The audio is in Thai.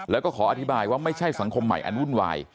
แล้วก็ขออธิบายว่าไม่ใช่สังคมใหม่อันวุ่นวาย